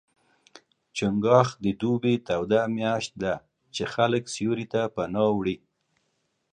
چنګاښ د دوبي توده میاشت ده، چې خلک سیوري ته پناه وړي.